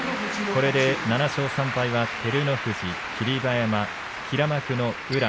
これで７勝３敗は照ノ富士霧馬山、平幕の宇良